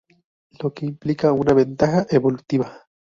Lo que implica una ventaja evolutiva.